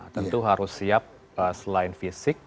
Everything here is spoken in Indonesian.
tentu harus siap selain fisik